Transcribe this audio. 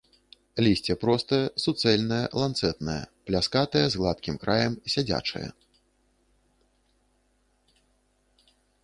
Лісце простае, суцэльнае, ланцэтнае, пляскатае, з гладкім краем, сядзячае.